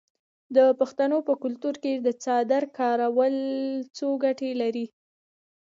د پښتنو په کلتور کې د څادر کارول څو ګټې لري.